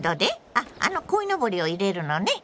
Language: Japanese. あっあのこいのぼりを入れるのね？